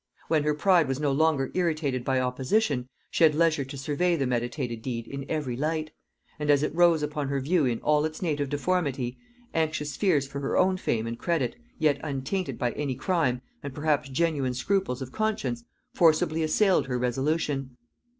When her pride was no longer irritated by opposition, she had leisure to survey the meditated deed in every light; and as it rose upon her view in all its native deformity, anxious fears for her own fame and credit, yet untainted by any crime, and perhaps genuine scruples of conscience, forcibly assailed her resolution.